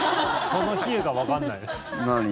その比喩がわかんないです。